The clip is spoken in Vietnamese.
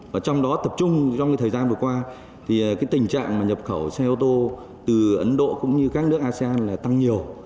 và trong đó tập trung trong thời gian vừa qua thì cái tình trạng mà nhập khẩu xe ô tô từ ấn độ cũng như các nước asean là tăng nhiều